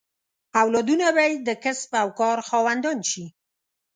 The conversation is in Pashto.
اولادونه به یې د کسب او کار خاوندان شي.